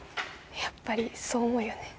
やっぱりそう思うよね？